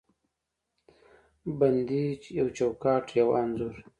بندې یو چوکاټ، یوه انځور